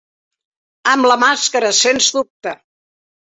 Amb la màscara, sens dubte.